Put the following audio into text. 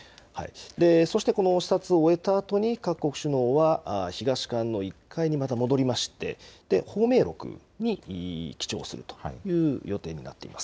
そして視察を終えたあとに各国首脳は東館の１階にまた戻りまして、芳名録に記帳するという予定になっています。